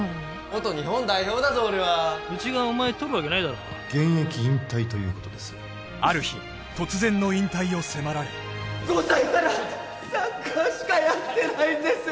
元日本代表だぞ俺は☎うちがお前とるわけないだろ現役引退ということですある日５歳からサッカーしかやってないんです